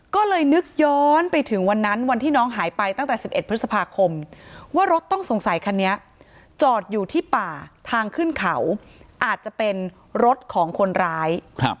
ก็เลยนึกย้อนไปถึงวันนั้นวันที่น้องหายไปตั้งแต่๑๑พฤษภาคมว่ารถต้องสงสัยคันนี้จอดอยู่ที่ป่าทางขึ้นเขาอาจจะเป็นรถของคนร้าย